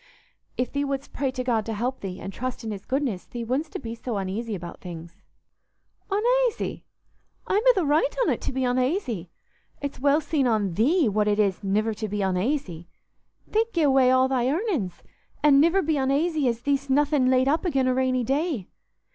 If thee wouldst pray to God to help thee, and trust in His goodness, thee wouldstna be so uneasy about things." "Unaisy? I'm i' th' right on't to be unaisy. It's well seen on thee what it is niver to be unaisy. Thee't gi' away all thy earnin's, an' niver be unaisy as thee'st nothin' laid up again' a rainy day.